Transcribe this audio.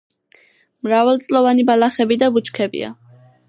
მრავალწლოვანი ბალახები და ბუჩქებია.